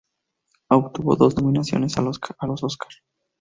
Obtuvo dos nominaciones a los Óscar.